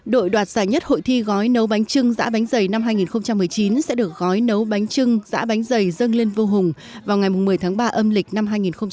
đội đoạt giải nhất hội thi gói nấu bánh trưng dạ bánh dày năm hai nghìn một mươi chín sẽ được gói nấu bánh trưng dạ bánh dày dân lên vô hùng vào ngày một mươi tháng ba âm lịch năm hai nghìn hai mươi